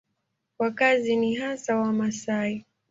Wakazi ni hasa Wamasai.